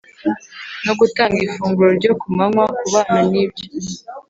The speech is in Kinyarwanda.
No gutanga ifunguro ryo kumanywa ku bana nibyo